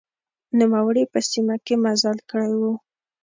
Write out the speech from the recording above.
نوموړي په سیمه کې مزل کړی و.